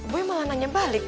boy malah nanya balik